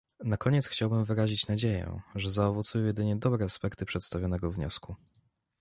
Na koniec chciałabym wyrazić nadzieję, że zaowocują jedynie dobre aspekty przedstawionego wniosku